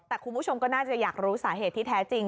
แต่คุณผู้ชมก็น่าจะอยากรู้สาเหตุที่แท้จริง